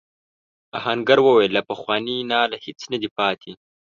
آهنګر وویل له پخواني ناله هیڅ نه دی پاتې.